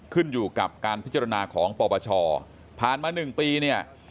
ขึ้นอยู่กับการพิจารณาของปปชผ่านมา๑ปีเนี่ย